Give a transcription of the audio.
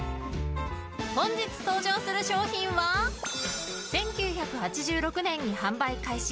本日登場する商品は１９８６年に販売開始